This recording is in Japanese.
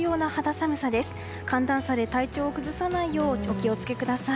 寒暖差で体調を崩さないようお気を付けください。